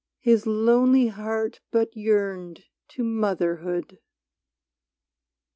his lonely heart But yearned to motherhood !